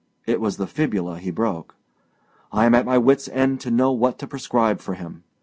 It was the fibula he broke. I am at my witsâ end to know what to prescribe for him.